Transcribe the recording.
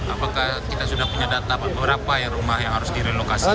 apakah kita sudah punya data berapa rumah yang harus direlokasi